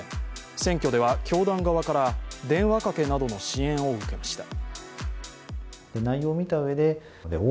選挙では教団側から電話かけなどの支援を受けました。